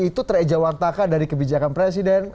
itu terejawantakan dari kebijakan presiden